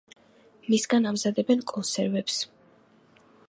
მისგან ამზადებენ კონსერვებს.